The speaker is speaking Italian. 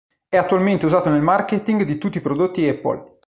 È attualmente usato nel marketing di tutti i prodotti Apple.